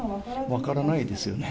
分からないですよね。